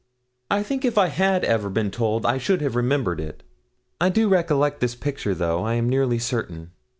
I think if I had ever been told I should have remembered it. I do recollect this picture, though, I am nearly certain.